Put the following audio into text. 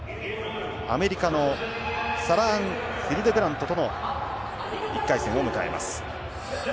アメリカのサラ・アン・ヒルデブラントとの１回戦を迎えます。